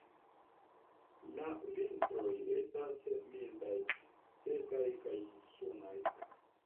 La vintroj estas mildaj, sekaj kaj sunaj.